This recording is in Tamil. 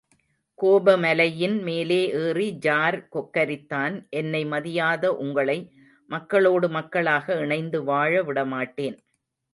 கோபமலையின் மேலே ஏறி ஜார் கொக்கரித்தான் என்னை மதியாத உங்களை மக்களோடு மக்களாக இணைந்து வாழ விடமாட்டேன்!